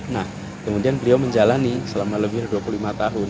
nah kemudian beliau menjalani selama lebih dari dua puluh lima tahun